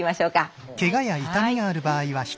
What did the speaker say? はい。